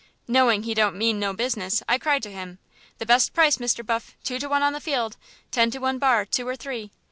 Knowing he don't mean no business, I cries to him, 'The best price, Mr. Buff; two to one on the field, ten to one bar two or three.'